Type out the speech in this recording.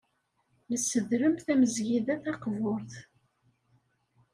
Nessedrem tamezgida taqburt.